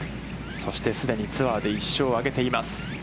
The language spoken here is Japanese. そして既にツアーで１勝を挙げています。